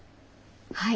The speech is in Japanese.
はい。